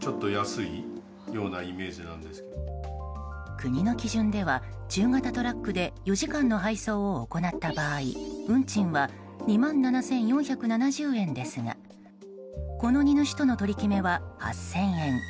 国の基準では中型トラックで４時間の配送を行った場合運賃は２万７４７０円ですがこの荷主との取り決めは８０００円。